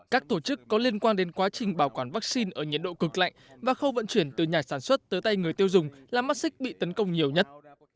các tổ chức có liên quan đến quá trình bảo quản vaccine ở nhiệt độ cực lạnh và khâu vận chuyển từ nhà sản xuất tới tay người tiêu dùng là mắt xích bị tấn công nhiều nhất